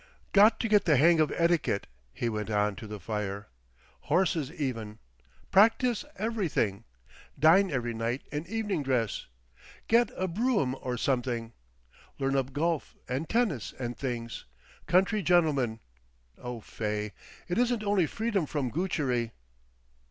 "Got to get the hang of etiquette," he went on to the fire. "Horses even. Practise everything. Dine every night in evening dress.... Get a brougham or something. Learn up golf and tennis and things. Country gentleman. Oh Fay. It isn't only freedom from Goochery."